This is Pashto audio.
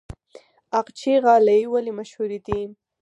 اقچې غالۍ ولې مشهورې دي؟